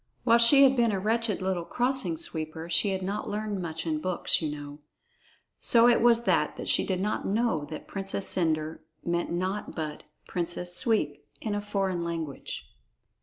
(While she had been a wretched little Crossing Sweeper, she had not learned much in books, you know. So it was that she did not know that "Princess Cendre" meant naught but "Princess Sweep" in a foreign language.)